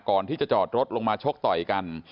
ก่อนที่จะจอดรถลงมาชกต่อยกัน